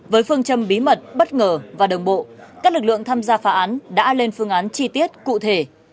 với phương châm bí mật bất ngờ và đồng bộ các lực lượng tham gia phá án đã lên phương án chi tiết cụ thể